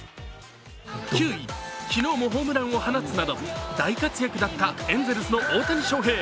９位、昨日もホームランを放つなど大活躍だったエンゼルスの大谷翔平。